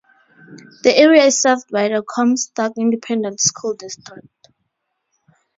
The area is served by the Comstock Independent School District.